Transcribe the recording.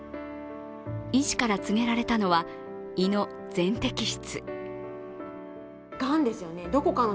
医師から告げられたのは、胃の全摘出。